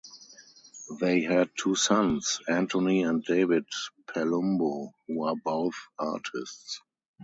They had two sons, Anthony and David Palumbo, who are both artists.